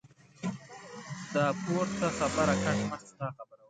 دا پورته خبره کټ مټ ستا خبره ده.